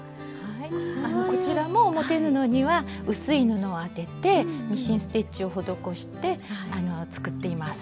こちらも表布には薄い布を当ててミシンステッチを施して作っています。